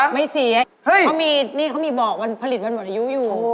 ไม่เสียเขามีนี่เขามีบอกวันผลิตวันบรรยายุอยู่